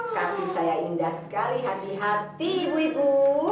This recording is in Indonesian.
kaki saya indah sekali hati hati ibu ibu